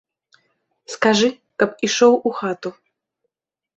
Скажы, каб ішоў у хату.